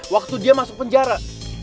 waktu dia masuk penjara